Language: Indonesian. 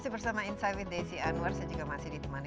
masih bersama insight with desi anwar saya juga masih ditemani